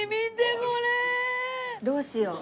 どうしよう？